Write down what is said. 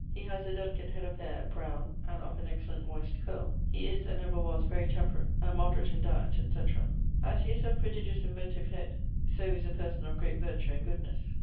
He haz a delicate head of haire, browne, and of an excellent moist curle. He is and ever was very temperate, and moderate in dyet, etc. As he is of prodigious inventive head, so is a person of great vertue and goodnes.